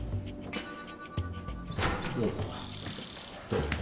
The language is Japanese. どうぞ。